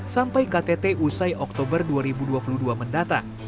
sampai ktt usai oktober dua ribu dua puluh dua mendatang